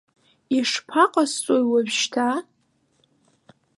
Ишԥаҟасҵои уажәшьҭа?